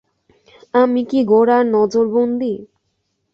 আমি কি গোরার নজরবন্দী!